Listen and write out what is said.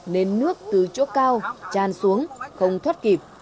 nên nước từ chỗ cao tràn xuống không thoát kịp